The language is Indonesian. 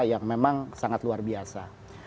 yang memang sangat luar biasa